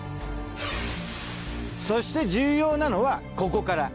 そして重要なのはここから。